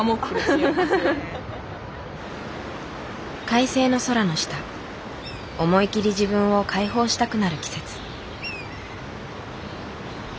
快晴の空の下思い切り自分を解放したくなる季節。